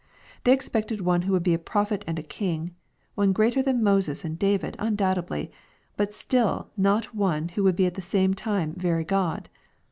They e^ipected one who would be a prophet and a king, one greater than Moses and David, undoubtedly, but still not One who would be at the same time very God.